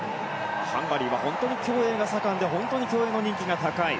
ハンガリーは本当に競泳が盛んで人気が高い。